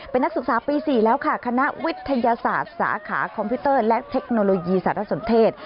เป็นนักศึกษาปี๔แล้วค่ะคณะวิทยาศาสตร์สาขาคอมพิวเตอร์และเทคโนโลยีสารสนเทศ